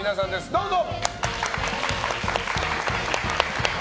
どうぞ！